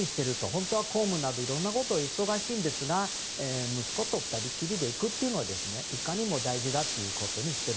本当は公務などいろんなことで忙しいんですが息子と２人きりで行くというのがいかにも大事だということにしてる。